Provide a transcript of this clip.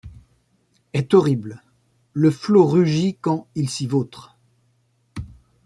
Est horrible ; le flot rugit quand, il s’y vautre ;